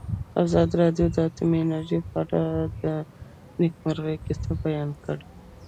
ازادي راډیو د اټومي انرژي په اړه د نېکمرغۍ کیسې بیان کړې.